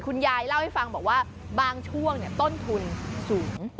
คุณยายเล่าให้ฟังบอกว่าบางช่วงต้นทุนสูง